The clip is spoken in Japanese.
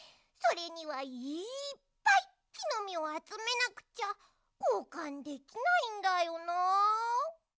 それにはいっぱいきのみをあつめなくちゃこうかんできないんだよな。